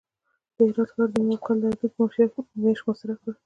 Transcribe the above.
د هرات ښار یې د هماغه کال د اګست په میاشت کې محاصره کړ.